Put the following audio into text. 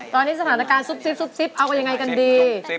ตอนนี้สถานการณ์ซุปเอากันอย่างไรกันดี